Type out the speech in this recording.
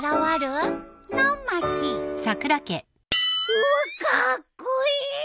うわカッコイイ。